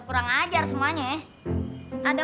ini yang rasanya